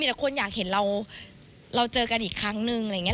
หลายคนอยากเห็นเราเจอกันอีกครั้งนึงอะไรอย่างนี้